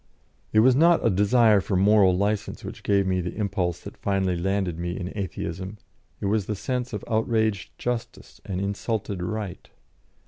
It was not a desire for moral licence which gave me the impulse that finally landed me in Atheism; it was the sense of outraged justice and insulted right.